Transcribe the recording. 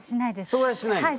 それはしないんですか？